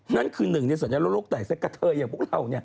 นั่นคือหนึ่งสัญลักษณ์โรคแตกซากาเทยอย่างพวกเรา